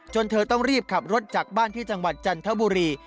เธอต้องรีบขับรถจากบ้านที่จังหวัดจันทบุรี